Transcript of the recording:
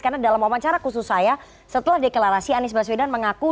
karena dalam wawancara khusus saya setelah deklarasi anies baswedan mengaku